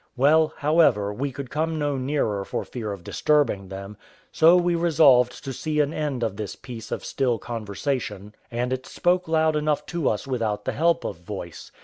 Well, however, we could come no nearer for fear of disturbing them: so we resolved to see an end of this piece of still conversation, and it spoke loud enough to us without the help of voice.